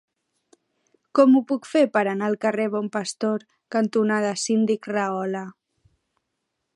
Com ho puc fer per anar al carrer Bon Pastor cantonada Síndic Rahola?